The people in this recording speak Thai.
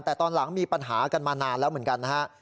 แต่ตอนหลังมีปัญหากันมานานแล้วเหมือนกันนะฮะ